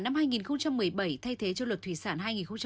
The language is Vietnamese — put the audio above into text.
năm hai nghìn một mươi bảy thay thế cho luật thủy sản